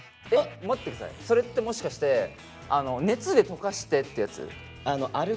待って下さいそれってもしかしてあの熱で溶かしてってやつ？